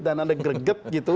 dan ada greget gitu